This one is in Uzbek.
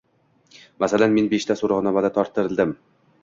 Masalan, men beshta so‘rovnoma to‘ldirdim.